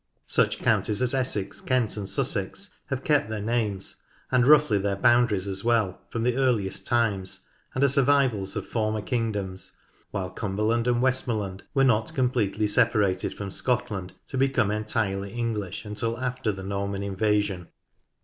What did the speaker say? Such counties as Essex, Kent, and Sussex have kept their names, and roughly their boundaries as well, from the earliest times, and are survivals of former kingdoms, while Cumberland and Westmorland were not completely separated from Scotland to become entirely English until after the Norman invasion.